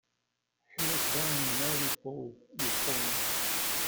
He was born in Mariupol, Ukraine.